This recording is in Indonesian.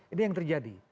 ini yang terjadi